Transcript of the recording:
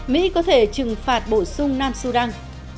mỹ có thể trừng phạt bổ sung nam sudan